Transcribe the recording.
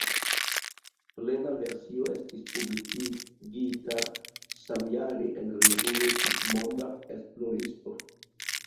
Plena versio estis publikigita samjare en revuo "Tutmonda esploristo".